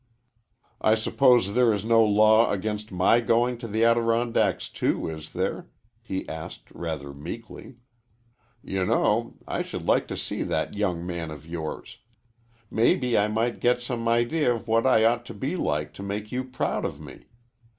"I suppose there is no law against my going to the Adirondacks, too, is there?" he asked, rather meekly. "You know, I should like to see that young man of yours. Maybe I might get some idea of what I ought to be like to make you proud of me.